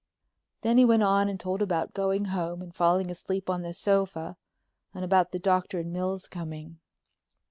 Then he went on and told about going home and falling asleep on the sofa, and about the doctor and Mills coming.